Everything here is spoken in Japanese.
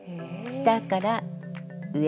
下から上。